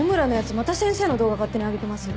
また先生の動画勝手にあげてますよ。